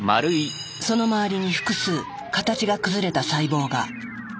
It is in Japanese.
その周りに複数形が崩れた細胞が。